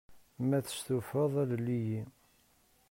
Ma testufaḍ, alel-iyi.